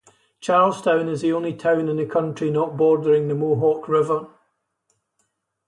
Charleston is the only town in the county not bordering the Mohawk River.